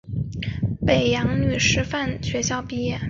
赵懋华自北洋女师范学校毕业。